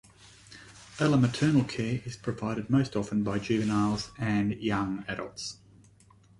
Allomaternal care is provided most often by juveniles and young adults.